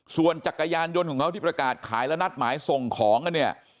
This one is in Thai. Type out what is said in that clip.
ส่วนจักรยานยนต์ของเขาที่ประกาศขายและนัดหมายส่งของกันเนี่ย